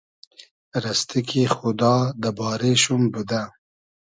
رئستی کی خودا دۂ بارې شوم بودۂ